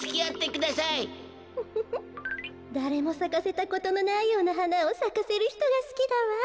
ウフフだれもさかせたことのないようなはなをさかせるひとがすきだわ。